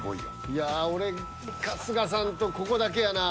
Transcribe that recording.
いや俺春日さんとここだけやな。